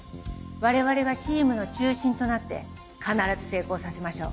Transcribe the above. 我々がチームの中心となって必ず成功させましょう。